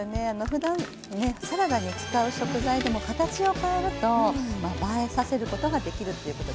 ふだんねサラダに使う食材でも形を変えると映えさせることができるっていうことですね。